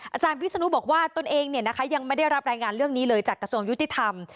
อาจารย์วิศนุบอกว่าตนเองยังไม่ได้รับรายงานเรื่องนี้เลยจากกระทรวงยุติธรรม